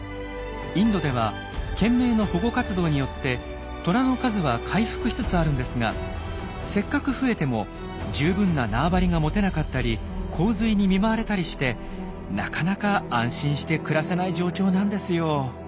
インドでは懸命の保護活動によってトラの数は回復しつつあるんですがせっかく増えても十分な縄張りが持てなかったり洪水に見舞われたりしてなかなか安心して暮らせない状況なんですよ。